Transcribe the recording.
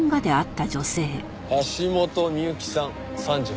橋本美由紀さん３８歳。